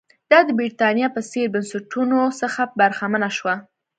دا د برېټانیا په څېر بنسټونو څخه برخمنه شوه.